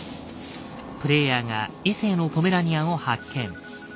プレイヤーが異性のポメラニアンを発見。